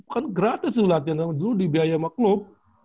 kan gratis sih latihan dulu dibayar sama klub